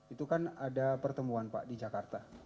itu kan ada pertemuan pak di jakarta